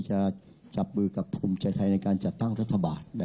จะจับมือกับภูมิใจไทยในการจัดตั้งรัฐบาล